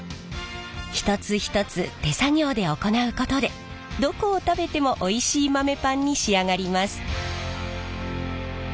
一つ一つ手作業で行うことでどこを食べてもおいしい豆パンに仕上がります。